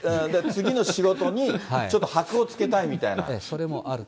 次の仕事にちょっとはくをつけたいみたいな。